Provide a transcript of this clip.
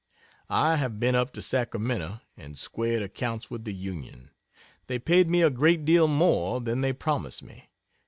I have been up to Sacramento and squared accounts with the Union. They paid me a great deal more than they promised me.